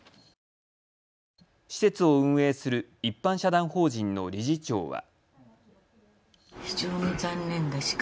施設を運営する一般社団法人の理事長は。